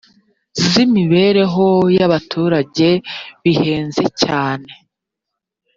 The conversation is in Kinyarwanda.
z imibereho y abaturage bihenze cyane